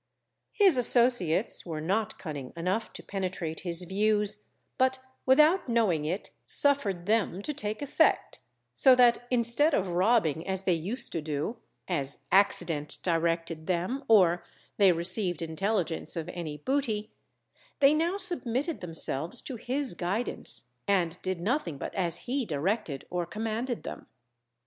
His associates were not cunning enough to penetrate his views, but without knowing it suffered them to take effect; so that instead of robbing as they used to do (as accident directed them, or they received intelligence of any booty) they now submitted themselves to his guidance, and did nothing but as he directed or commanded them.